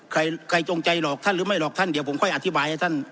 ใครใครจงใจหลอกท่านหรือไม่หลอกท่านเดี๋ยวผมค่อยอธิบายให้ท่าน